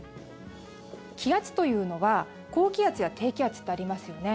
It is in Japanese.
気圧というのは高気圧や低気圧ってありますよね